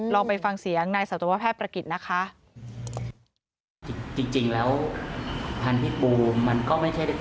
ลองไปฟังเสียงนายสัตวแพทย์ประกิจนะคะ